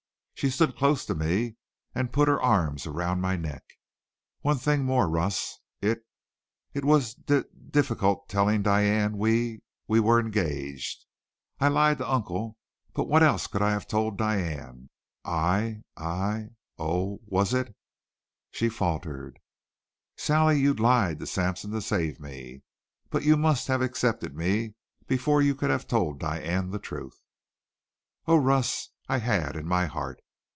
She stood close to me and put her arms around my neck. "One thing more, Russ. It it was dif difficult telling Diane we we were engaged. I lied to Uncle. But what else could I have told Diane? I I Oh was it " She faltered. "Sally, you lied to Sampson to save me. But you must have accepted me before you could have told Diane the truth." "Oh, Russ, I had in my heart!